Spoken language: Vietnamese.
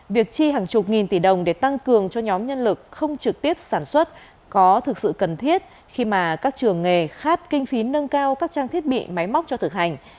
việc chi hàng chục nghìn tỷ đồng để tăng cường cho nhóm nhân lực không trực tiếp sản xuất có thực sự cần thiết khi mà các trường nghề khát kinh phí nâng cao các trang thiết bị máy móc cho thực hành